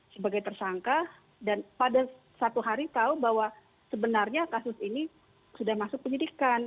sebagai tersangka dan pada satu hari tahu bahwa sebenarnya kasus ini sudah masuk penyidikan